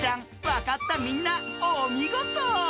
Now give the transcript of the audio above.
わかったみんなおみごと。